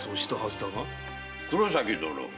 黒崎殿。